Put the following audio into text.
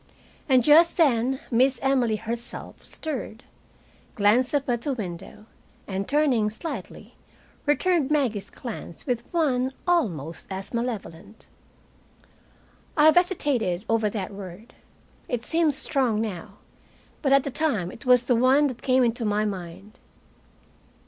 And just then Miss Emily herself stirred, glanced up at the window, and turning slightly, returned Maggie's glance with one almost as malevolent. I have hesitated over that word. It seems strong now, but at the time it was the one that came into my mind.